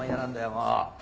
もう。